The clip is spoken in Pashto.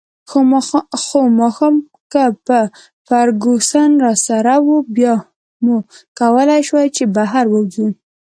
خو ماښام که به فرګوسن راسره وه، بیا مو کولای شوای چې بهر ووځو.